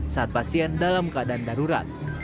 saat pasien dalam keadaan darurat